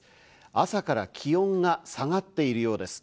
朝から気温が下がっているようです。